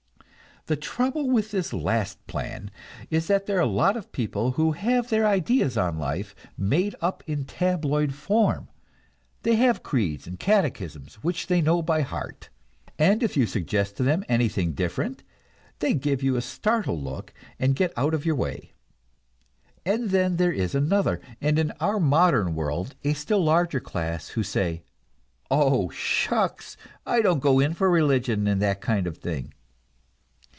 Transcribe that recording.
The trouble with this last plan is that there are a lot of people who have their ideas on life made up in tabloid form; they have creeds and catechisms which they know by heart, and if you suggest to them anything different, they give you a startled look and get out of your way. And then there is another, and in our modern world a still larger class, who say, "Oh, shucks! I don't go in for religion and that kind of thing."